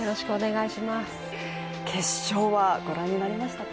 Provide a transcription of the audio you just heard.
決勝はご覧になりましたか？